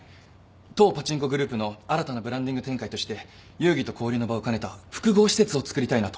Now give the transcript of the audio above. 当パチンコグループの新たなブランディング展開として遊技と交流の場を兼ねた複合施設を造りたいなと。